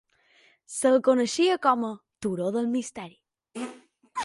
Se'l coneixia com a "Turó del misteri".